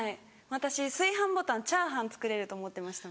私炊飯ボタン炒飯作れると思ってました。